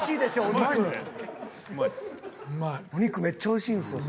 お肉めっちゃ美味しいんですよ